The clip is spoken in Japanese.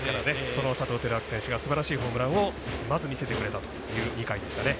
その佐藤輝明選手がすばらしいホームランをまず見せてくれた２回でしたね。